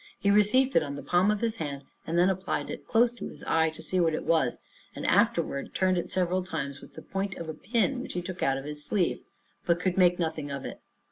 He received it on the palm of his hand, and then applied it close to his eye to see what it was, and afterward turned it several times with the point of a pin (which he took out of his sleeve), but could make nothing of it.